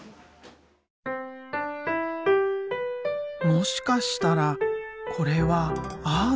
もしかしたらこれはアート？